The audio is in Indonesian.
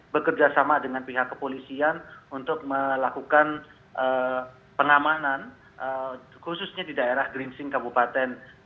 bekerjasama dengan pihak kepolisian untuk melakukan pengamanan khususnya di daerah grimzing kabupaten